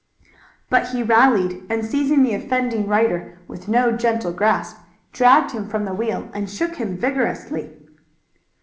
But he rallied, and seizing the offending rider with no gentle grasp, dragged him from the wheel, and shook him vigorously.